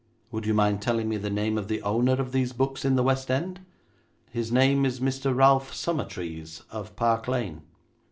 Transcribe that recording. Would you mind telling me the name of the owner of these books in the West End?' 'His name is Mr. Ralph Summertrees, of Park Lane.'